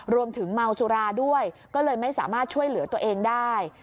รวมถึงเมาสุราด้วยก็เลยไม่สามารถช่วยเหลือตัวเองได้